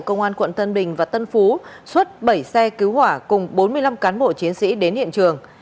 công an tp hcm và tân phú xuất bảy xe cứu hỏa cùng bốn mươi năm cán bộ chiến sĩ đến hiện trường